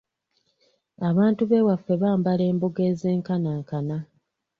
Abantu b'ewaffe bambala embugo ezenkanankana.